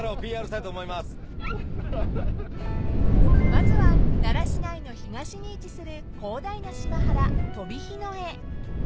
［まずは奈良市内の東に位置する広大な芝原飛火野へ］